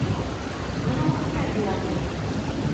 Бынау бүкән йыуанлыҡ.